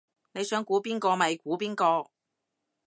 你想估邊個咪估邊個